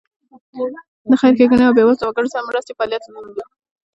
د خیر ښېګڼې او بېوزله وګړو سره مرستې لپاره فعالیت کوي.